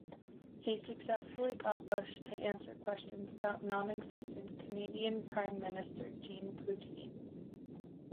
He successfully got Bush to answer questions about non-existent Canadian Prime Minister "Jean Poutine".